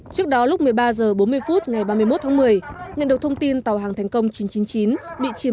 trước đó lúc một mươi ba h bốn mươi phút ngày ba mươi một tháng một mươi nhân được thông tin tàu hàng thành công chín trăm chín mươi chín bị chìm